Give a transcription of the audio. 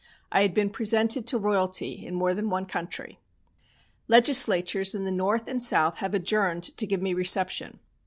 I had been presented to royalty in more than one country. Legislatures in the North and South have adjourned to give me reception.